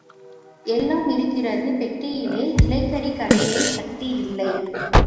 எல்லாம் இருக்கிறது பெட்டியிலே, இலைக்கறி கடையச் சட்டி இல்லை.